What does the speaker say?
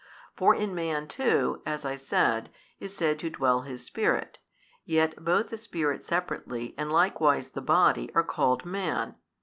For in man too (as I said) is said to dwell his spirit; yet both the spirit separately and likewise the body are called man.